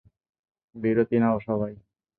বিরতি নাও সবাই!